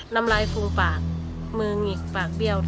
น้ำลายฟูมปากมือหงิกปากเบี้ยว